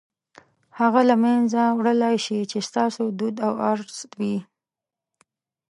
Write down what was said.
هغه له منځه وړلای شئ چې ستاسو دود او ارث وي.